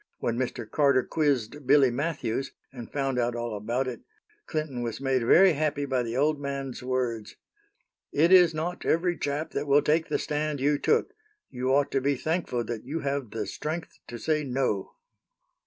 When Mr. Carter quizzed Billy Matthews, and found out all about it, Clinton was made very happy by the old man's words: "It is not every chap that will take the stand you took. You ought to be thankful that you have the strength to say No."